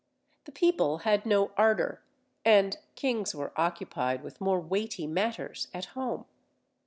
The people had no ardour, and kings were occupied with more weighty matters at home.